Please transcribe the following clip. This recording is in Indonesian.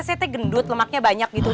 saya gendut lemaknya banyak gitu